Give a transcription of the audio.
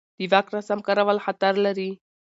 د واک ناسم کارول خطر لري